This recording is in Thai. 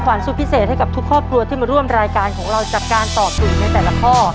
สุดพิเศษให้กับทุกครอบครัวที่มาร่วมรายการของเราจากการตอบถูกในแต่ละข้อ